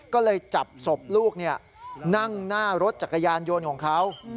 ก็เลยจับศพลูกนั่งหน้ารถจักรยานยนต์ของเขา